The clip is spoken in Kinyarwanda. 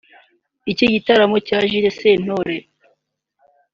Iki gitaramo cya Jules Sentore